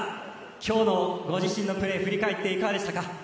今日のご自身のプレー振り返っていかがでしたか？